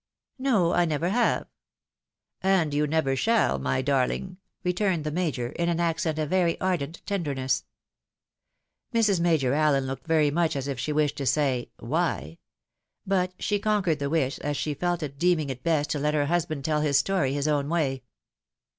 " No, I never have." " And you never shall, my darling 1 " returned the Major, in am accent of very ardent tenderness. 26 THE WIDOW MAEEIED. Mis. Major Allen looked very much as if she ■wished to say, " Why ?" But she conquered the wish, if she felt it, deeming it best to let her husband tell his story his own way.